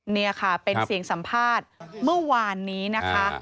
นี่ค่ะเป็นเสียงสัมภาษณ์เมื่อวานนี้นะคะ